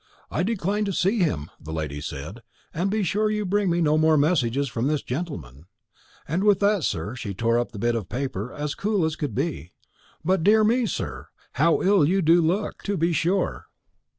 'I decline to see him,' the lady said, 'and be sure you bring me no more messages from this gentleman;' and with that, sir, she tore up the bit of paper, as cool as could be. But, dear me, sir, how ill you do look, to be sure!"